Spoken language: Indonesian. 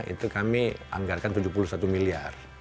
itu kami anggarkan tujuh puluh satu miliar